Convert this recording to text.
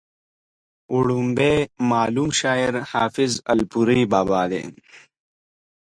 وړومبی معلوم شاعر حافظ الپورۍ بابا دی